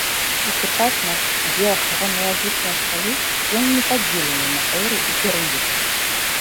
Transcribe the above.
У сучаснай геахраналагічнай шкале ён не падзелены на эры і перыяды.